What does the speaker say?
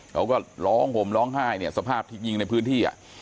เขาก็ร้องห่มร้องไห้สภาพที่ยิงในพื้นที่